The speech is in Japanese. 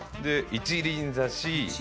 「一輪挿し」。